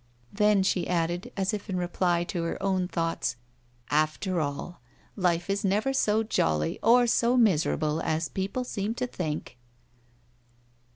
Then she added, as if in reply to her own thoughts ;" After all, life is never so jolly or so miserable as people seem to think."